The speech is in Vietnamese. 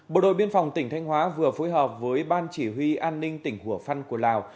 bộ đội biên phòng tỉnh thanh hóa vừa phối hợp với ban chỉ huy an ninh tỉnh hủa phăn của lào